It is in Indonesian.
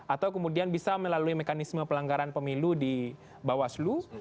atau kemudian bisa melalui mekanisme pelanggaran pemilu di bawaslu